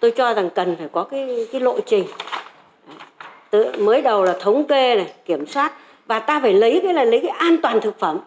tôi cho rằng cần phải có cái lộ trình mới đầu là thống kê này kiểm soát và ta phải lấy cái này lấy cái an toàn thực phẩm